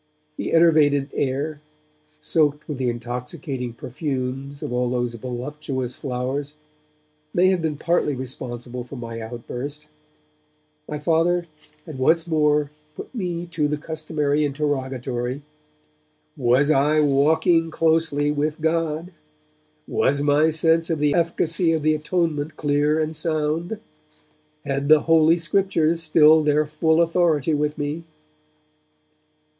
The enervated air, soaked with the intoxicating perfumes of all those voluptuous flowers, may have been partly responsible for my outburst. My Father had once more put to me the customary interrogatory. Was I 'walking closely with God'? Was my sense of the efficacy of the Atonement clear and sound? Had the Holy Scriptures still their full authority with me?